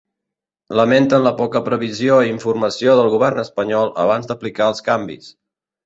Lamenten la poca previsió i informació del govern espanyol abans d’aplicar els canvis.